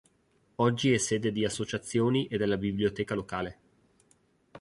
Oggi è sede di associazioni e della biblioteca locale.